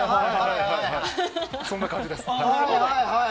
そんな感じです。